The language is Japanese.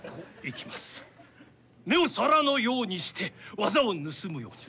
目を皿のようにして技を盗むように。